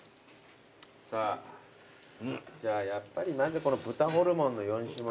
さぁじゃあやっぱりまずこの豚ホルモンの４種盛り。